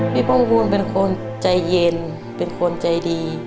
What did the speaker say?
พ่องบูลเป็นคนใจเย็นเป็นคนใจดี